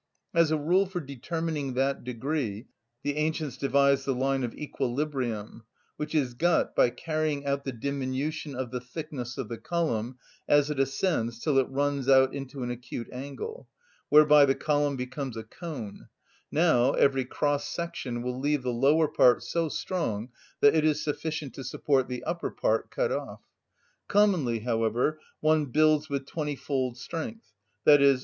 As a rule for determining that degree the ancients devised the line of equilibrium, which is got by carrying out the diminution of the thickness of the column as it ascends till it runs out into an acute angle, whereby the column becomes a cone; now every cross section will leave the lower part so strong that it is sufficient to support the upper part cut off. Commonly, however, one builds with twentyfold strength, _i.e.